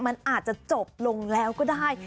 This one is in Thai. มันอาจจะจบลงแล้วก็ได้